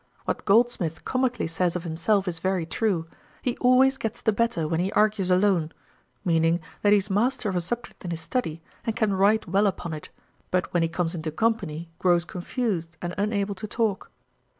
What Goldsmith comically says of himself is very true, he always gets the better when he argues alone; meaning, that he is master of a subject in his study, and can write well upon it; but when he comes into company, grows confused, and unable to talk.